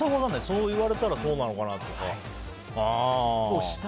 そう言われたらそうなのかなとか。